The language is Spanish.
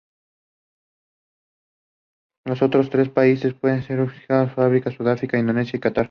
Los otros tres países que se abstuvieron fueron Sudáfrica, Indonesia y Catar.